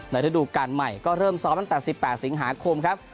ฤดูการใหม่ก็เริ่มซ้อมตั้งแต่๑๘สิงหาคมครับ